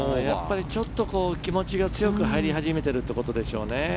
やっぱり気持ちが強く入り始めているということですね。